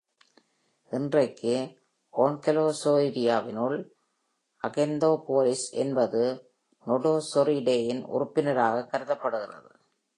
இன்றைக்கு ஆன்கைலோசௌரியா-வினுள் "அகெந்தோபோலிஸ்" என்பது நோடோசௌரிடே-யின் உறுப்பினராக கருதப்படுகிறது.